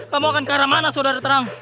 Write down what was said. kamu akan ke arah mana saudara terang